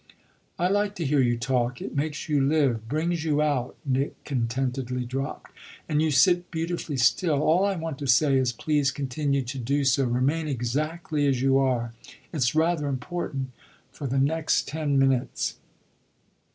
"I like to hear you talk it makes you live, brings you out," Nick contentedly dropped. "And you sit beautifully still. All I want to say is please continue to do so: remain exactly as you are it's rather important for the next ten minutes."